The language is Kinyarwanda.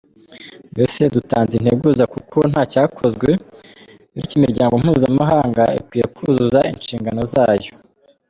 Mbese dutanze integuza kuko nta cyakozwe, bityo imiryango mpuzamahanga ikwiye kuzuza inshingano zayo.